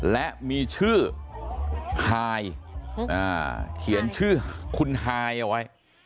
และมีชื่อฮายเขียนชื่อคุณฮายเอาไว้